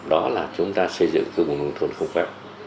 đó là chúng ta xây dựng cơ quan nông thôn không phép